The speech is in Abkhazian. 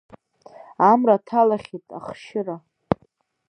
Амра ҭалахьеит ахшьыра…